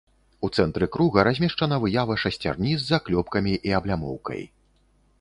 У цэнтры круга размешчана выява шасцярні з заклёпкамі і аблямоўкай.